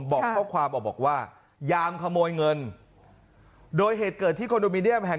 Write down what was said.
บอกข้อความออกบอกว่ายามขโมยเงินโดยเหตุเกิดที่คอนโดมิเนียมแห่ง